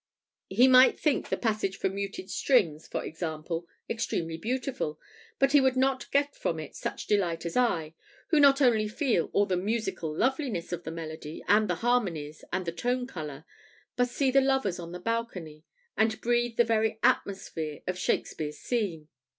He might think the passage for muted strings, for example, extremely beautiful, but he would not get from it such delight as I, who not only feel all the musical loveliness of the melody and the harmonies and the tone color, but see the lovers on the balcony and breathe the very atmosphere of Shakespeare's scene.